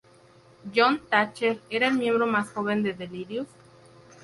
Jon Thatcher era el miembro más joven de Delirious?